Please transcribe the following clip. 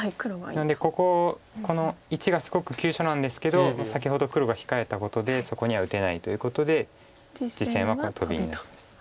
なのでこここの①がすごく急所なんですけど先ほど黒が控えたことでそこには打てないということで実戦はこのトビになりました。